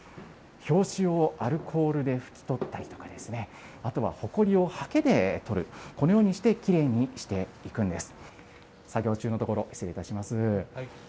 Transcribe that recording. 表紙をアルコールで拭き取ったりですとかね、あとはほこりをはけで取る、このようにしてきれいにしていくんです。